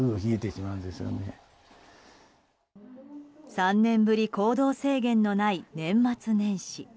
３年ぶり行動制限のない年末年始。